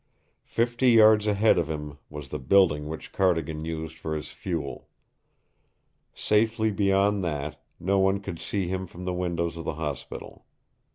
Fifty yards ahead of him was the building which Cardigan used for his fuel. Safely beyond that, no one could see him from the windows of the hospital.